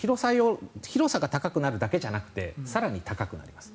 広さが高くなるだけじゃなくて更に高くなります。